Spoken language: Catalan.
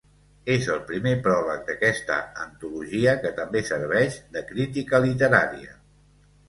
És el primer pròleg d'aquesta antologia, que també serveix de crítica literària.